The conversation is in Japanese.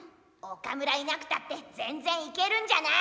岡村いなくたって全然いけるんじゃない？